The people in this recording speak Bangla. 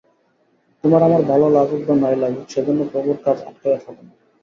তোমার আমার ভাল লাগুক বা নাই লাগুক, সে-জন্য প্রভুর কাজ আটকাইয়া থাকে না।